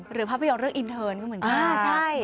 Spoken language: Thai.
ภาพยนตร์เรื่องอินเทิร์นก็เหมือนกัน